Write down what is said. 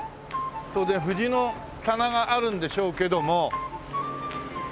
当然藤の棚があるんでしょうけども。